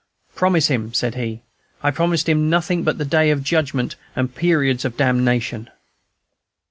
"Promise him!" said he, "I promised him nothing but the Day of Judgment and Periods of Damnation!"